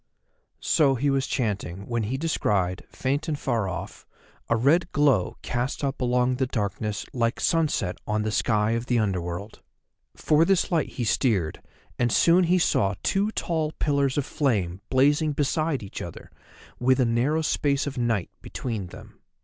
So he was chanting when he descried, faint and far off, a red glow cast up along the darkness like sunset on the sky of the Under world. For this light he steered, and soon he saw two tall pillars of flame blazing beside each other, with a narrow space of night between them.